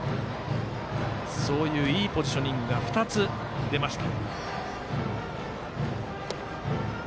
そういういいポジショニング２つ出ました。